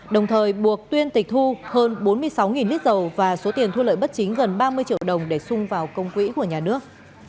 đồng thời buộc tuyên tịch thu hơn bốn mươi sáu lít dầu và số tiền thu lợi bất chính gần ba mươi triệu đồng để sung vào công quỹ của nhà nước